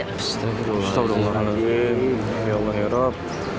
astagfirullahaladzim ya allah herab